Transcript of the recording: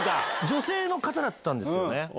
女性の方だったんですよね。